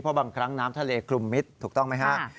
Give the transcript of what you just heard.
เพราะบางครั้งน้ำทะเลคลุมมิตรถูกต้องไหมครับ